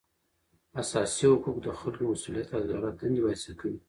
اساسي حقوق د خلکو مسولیت او د دولت دندې واضح کوي